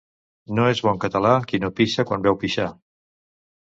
No és bon català qui no pixa quan veu pixar.